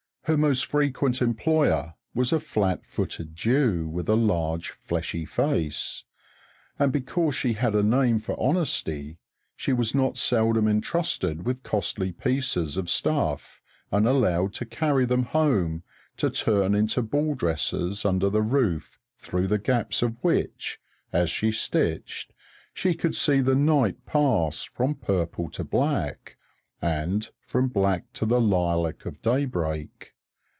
Her most frequent employer was a flat footed Jew with a large, fleshy face; and because she had a name for honesty, she was not seldom entrusted with costly pieces of stuff, and allowed to carry them home to turn into ball dresses under the roof through the gaps of which, as she stitched, she could see the night pass from purple to black, and from black to the lilac of daybreak.